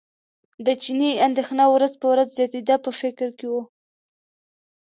د چیني اندېښنه ورځ په ورځ زیاتېده په فکر کې و.